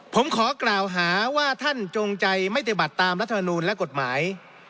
ผมขอกล่าวหาว่าท่านจงใจไม่ปฏิบัติตามรัฐมนูลและกฎหมาย